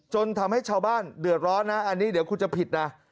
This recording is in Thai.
จนทำให้ชาวบ้านเดือดร้อนนะอันนี้เดี๋ยวคุณจะผิดนะ